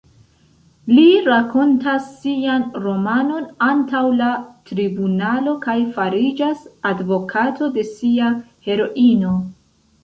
Li rakontas sian romanon antaŭ la tribunalo kaj fariĝas advokato de sia heroino...